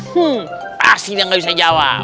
hmm pasti dia nggak bisa jawab